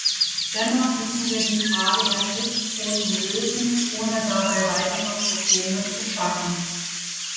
Dennoch müssen wir die Frage der Milchquoten lösen, ohne dabei weitere Probleme zu schaffen.